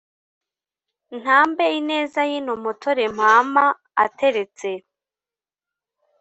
Ntambe ineza y’ino Mpotore Mpama ateretse,